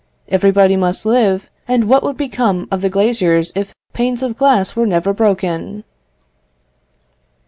Everybody must live, and what would become of the glaziers if panes of glass were never broken?"